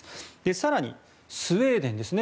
更に、スウェーデンですね。